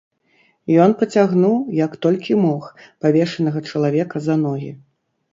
Ён пацягнуў, як толькі мог, павешанага чалавека за ногі.